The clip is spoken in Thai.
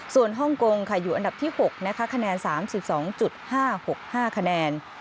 ส่วนฮ่องกงค่ะอยู่อันดับที่๖นะคะคะแนน๓๒๕๖๕คะแนน